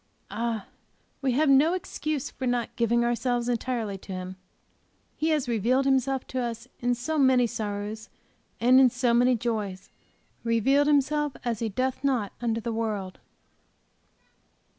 Ah, we have no excuse for not giving ourselves entirely to Him. He has revealed Himself to us in so many sorrows and in so many joys; revealed Himself as He doth not unto the world!